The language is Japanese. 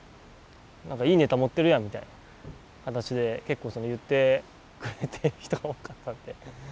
いいネタ持ってるやんみたいな形で結構言ってくれている人が多かったんで。